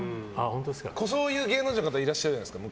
そういう芸能人の方いらっしゃるじゃないですか。